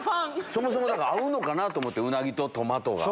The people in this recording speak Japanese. そもそも合うのかなと思ってウナギとトマトが。